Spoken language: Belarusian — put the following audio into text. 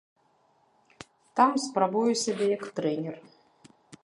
Там спрабую сябе як трэнер.